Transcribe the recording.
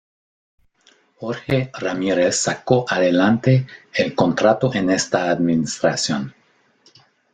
Jorge Ramírez sacó adelante el contrato en esta administración.